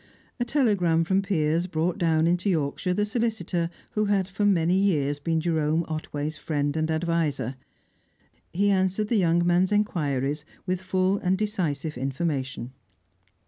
A telegram from Piers brought down into Yorkshire the solicitor who had for many years been Jerome Otway's friend and adviser; he answered the young man's inquiries with full and decisive information.